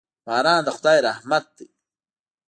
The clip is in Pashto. باران د خدای رحمت دی.